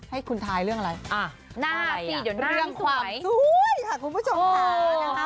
ให้คุณทายเรื่องอะไรอ่ะหน้าสิเดี๋ยวเรื่องความสวยค่ะคุณผู้ชมค่ะนะคะ